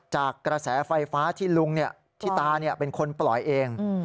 จากกระแสไฟฟ้าที่ลุงที่ตาเป็นคนปล่อยเอง